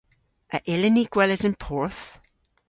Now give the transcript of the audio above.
A yllyn ni gweles an porth?